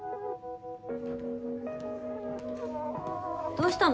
・どうしたの？